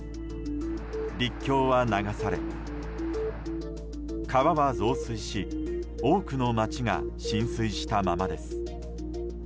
陸橋は流され、川は増水し多くの街が浸水したままです。